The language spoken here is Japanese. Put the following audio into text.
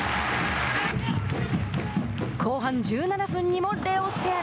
後半１７分にもレオ・セアラ。